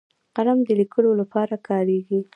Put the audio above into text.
قلم د لیکلو لپاره کارېږي